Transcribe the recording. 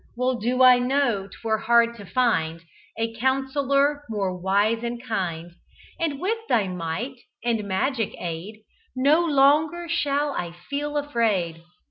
Well do I know 'twere hard to find A councillor more wise and kind; And, with thy might and magic aid No longer shall I feel afraid.